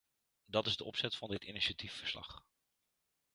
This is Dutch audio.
Dat is de opzet van dit initiatiefverslag.